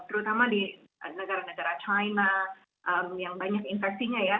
terutama di negara negara china yang banyak infeksinya ya